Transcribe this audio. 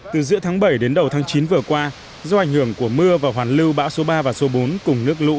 từ giữa tháng bảy đến đầu tháng chín vừa qua do ảnh hưởng của mưa và hoàn lưu bão số ba và số bốn cùng nước lũ